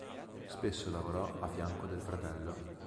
Spesso lavorò a fianco del fratello.